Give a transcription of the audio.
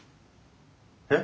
えっ？